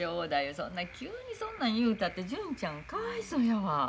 そんな急にそんなん言うたて純ちゃんかわいそうやわ。